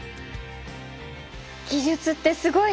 技術ってすごい！